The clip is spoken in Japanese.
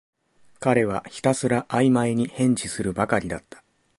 彼はひたすらあいまいに返事するばかりだった